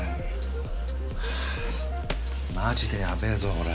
マジでやべえぞこれ。